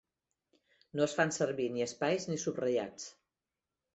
No es fan servir ni espais ni subratllats.